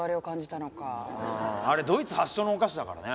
あれドイツ発祥のお菓子だからね。